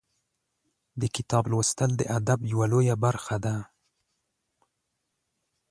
د کتاب لوستل د ادب یوه لویه برخه ده.